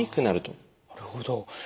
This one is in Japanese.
なるほど。